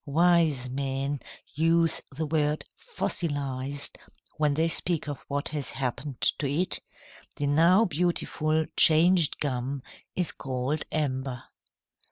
Wise men use the word 'fossilized' when they speak of what has happened to it. The now beautiful, changed gum is called amber.